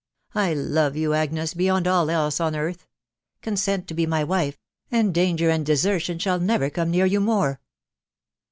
.... I love you, Agnes, beyond jJI else on earth !.... Consent to be my wife, and danger ami desertion shall never come near you more